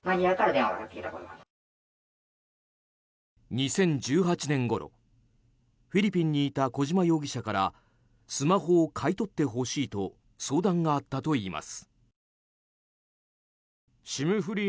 ２０１８年ごろフィリピンにいた小島容疑者からスマホを買い取ってほしいと相談があったといいます。